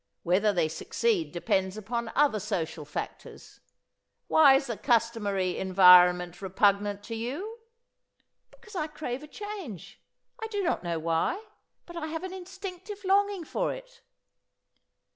Whether they succeed depends upon other social factors. Why is the customary environment repugnant to you?" "Because I crave a change. I do not know why. But I have an instinctive longing for it."